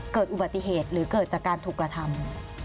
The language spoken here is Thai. เกิดอุบัติเหตุหรือเกิดจากการถูกกระทำ